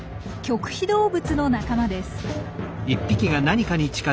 棘皮動物の仲間です。